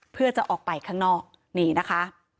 เพื่อจะออกไปข้างนอกนี่นะคะ